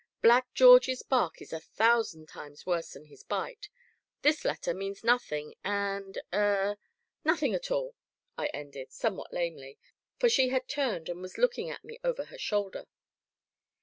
Black George's bark is a thousand times worse than his bite; this letter means nothing, and er nothing at all," I ended, somewhat lamely, for she had turned and was looking at me over her shoulder.